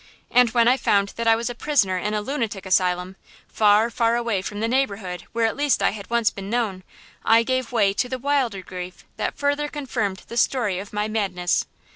And when I found that I was a prisoner in a lunatic asylum, far, far away from the neighborhood where at least I had once been known I gave way to the wilder grief that further confirmed the story of my madness.